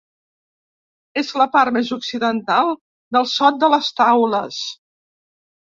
És la part més occidental del Sot de les Taules.